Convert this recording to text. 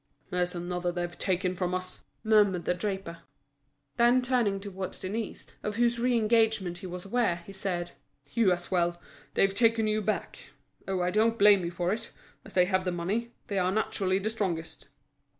"There's another they've taken from us!" murmured the draper. Then turning towards Denise, of whose re engagement he was aware, he said: "You as well, they've taken you back. Oh, I don't blame you for it. As they have the money, they are naturally the strongest."